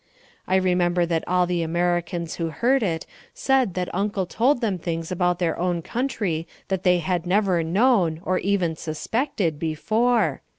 I remember that all the Americans who heard it said that Uncle told them things about their own country that they had never known, or even suspected, before.